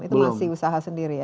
itu masih usaha sendiri ya